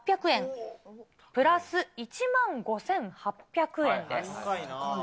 プラス１万５８００円です。